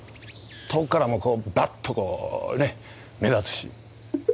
遠くからもバッとこうね目立つし。